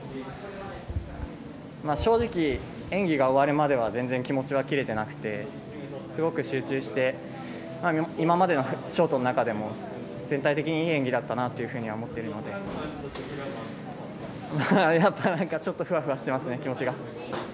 正直、演技が終わるまでは全然、気持ちは切れていなくてすごく集中して今までのショートの中でも全体的にいい演技だったなというふうには思っているのでちょっと気持ちがふわふわしてますね。